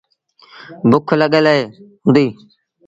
بُک لڳل هُݩديٚ۔